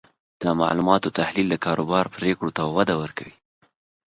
د معلوماتو تحلیل د کاروبار پریکړو ته وده ورکوي.